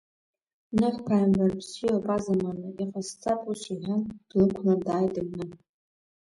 Ныҳә ԥаимбар, бзиоуп, азамана, иҟасҵап ус иҳәан, длықәлан дааит аҩны.